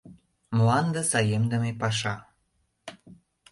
МЛАНДЕ САЕМДЫМЕ ПАША